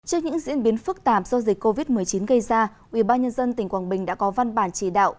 trước những diễn biến phức tạp do dịch covid một mươi chín gây ra ubnd tỉnh quảng bình đã có văn bản chỉ đạo